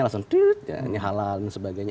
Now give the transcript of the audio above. langsung ini halal dan sebagainya